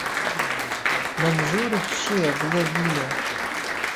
مهنزوورتچییه بلی بینه